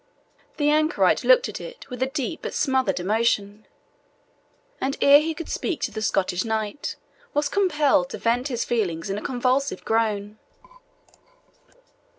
The anchorite looked at it with a deep but smothered emotion, and ere he could speak to the Scottish knight, was compelled to vent his feelings in a convulsive groan.